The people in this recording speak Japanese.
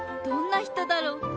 どんな人だろう？